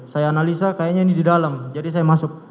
saya analisa kayaknya ini di dalam jadi saya masuk